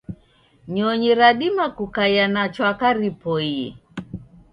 Nyonyi radima kukaia na chwaka ripoie.